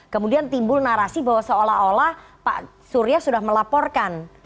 kemudian timbul narasi bahwa seolah olah pak surya sudah melaporkan